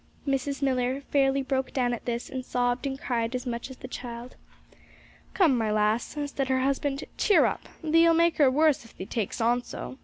Mrs. Millar fairly broke down at this, and sobbed and cried as much as the child. 'Come, my lass,' said her husband, 'cheer up! Thee'll make her worse, if thee takes on so.'